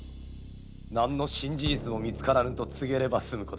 何の新事実も見つからぬと告げれば済むことです。